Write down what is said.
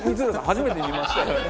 初めて見ましたよね。